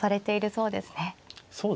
そうですね。